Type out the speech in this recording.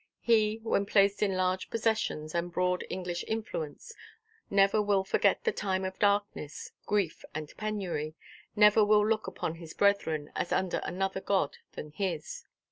He, when placed in large possessions and broad English influence, never will forget the time of darkness, grief, and penury, never will look upon his brethren, as under another God than his.